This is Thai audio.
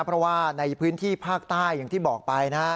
เพราะว่าในพื้นที่ภาคใต้อย่างที่บอกไปนะฮะ